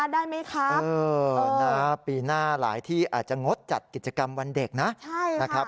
ได้ไหมครับปีหน้าหลายที่อาจจะงดจัดกิจกรรมวันเด็กนะครับ